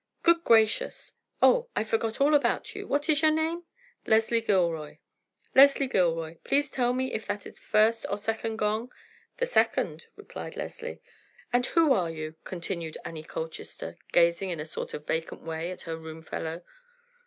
"Good gracious! Oh, I forgot all about you. What is your name?" "Leslie Gilroy." "Leslie Gilroy, please tell me if that is the first or second gong?" "The second," replied Leslie. "And who are you?" continued Annie Colchester, gazing in a sort of vacant way at her roomfellow.